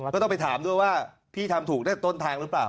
ก็ต้องไปถามด้วยว่าพี่ทำถูกได้ต้นทางหรือเปล่า